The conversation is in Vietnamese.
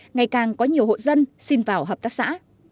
ngày càng có nhiều hộ dân xin vào hợp tác xã